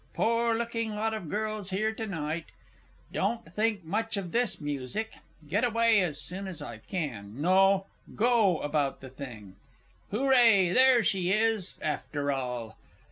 Poor looking lot of girls here to night don't think much of this music get away as soon as I can, no go about the thing!... Hooray! There she is, after all!